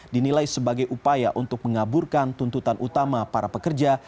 dinilai sebagai upaya untuk mengaburkan tuntutan utama para pekerja